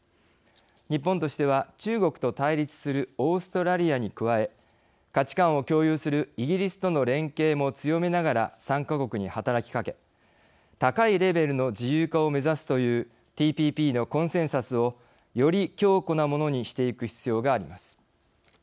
日本としては中国と対立するオーストラリアに加え価値観を共有するイギリスとの連携も強めながら参加国に働きかけ高いレベルの自由化を目指すというＴＰＰのコンセンサスをより強固なものにしてゆく必要があります。